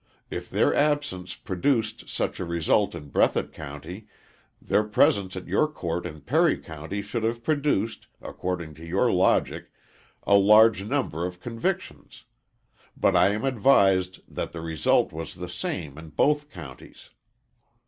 If their absence produced such a result in Breathitt County, their presence at your court in Perry County should have produced, according to your logic, a large number of convictions. But I am advised that the result was the same in both counties.